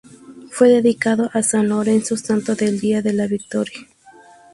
Fue dedicado a san Lorenzo, santo del día de la victoria.